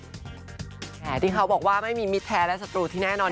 ที่เขาบอกว่าไม่มีมิตรแท้และศัตรูที่แน่นอน